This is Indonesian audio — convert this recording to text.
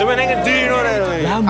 ini sudah diundang